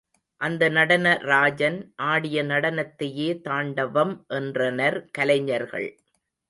அந்த நடன ராஜன் ஆடிய நடனத்தையே தாண்டவம் என்றனர் கலைஞர்கள்.